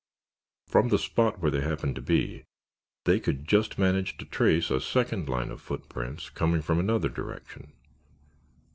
From the spot where they happened to be, they could just manage to trace a second line of footprints coming from another direction.